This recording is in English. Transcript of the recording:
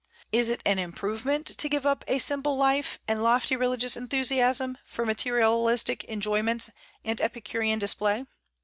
Is it an improvement to give up a simple life and lofty religious enthusiasm for materialistic enjoyments and epicurean display?